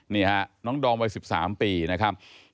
นี่ฮะน้องดอมวัย๑๓ปีนะครับ